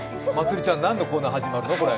まつりちゃん、何のコーナーが始まるの？